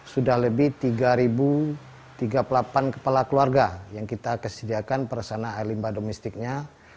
sudah lebih tiga tiga puluh delapan kepala keluarga yang kita kesediakan persana air limbah domestiknya